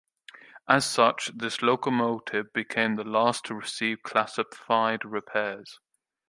As such, this locomotive became the last to receive classified repairs.